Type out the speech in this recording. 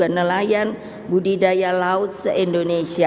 atau pengembang budidaya laut sebagai sebuah sentral kebijakan